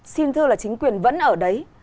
xin thưa là chính quyền vẫn ở đấy